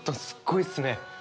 すっごいっすね。